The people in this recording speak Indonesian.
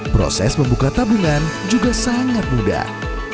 proses membuka tabungan juga sangat mudah